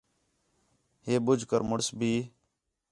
ہے ٻُجھ کر مُݨس بھی